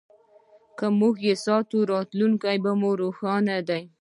که موږ یې وساتو، راتلونکی مو روښانه دی.